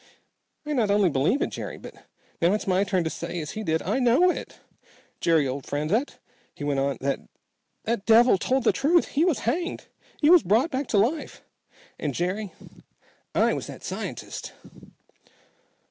"I not only believe it, Jerry, but now it's my turn to say, as he did, I know it! Jerry, old friend," he went on, "that devil told the truth. He was hanged. He was brought back to life; and Jerry I was that scientist!"